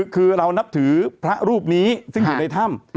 คือเรานับถือพระรูปนี้ซึ่งอยู่ในถ้ำ